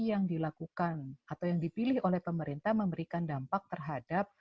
yang dilakukan atau yang dipilih oleh pemerintah memberikan dampak terhadap